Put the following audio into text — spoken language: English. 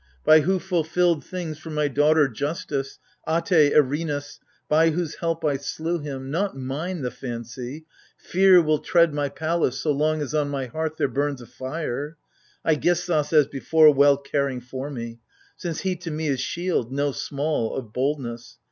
125 By who fulfilled things for my daughter, Justice, Ate, Erinus, — by whose help I slew him, — Not mine the fancy — Fear will tread my palace So long as on my hearth there burns a fire, Aigisthos as before well caring for me ; Since he to me is shield, no small, of boldness.